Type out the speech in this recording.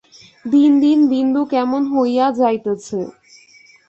দিন দিন বিন্দু কেমন হইয়া যাইতেছে।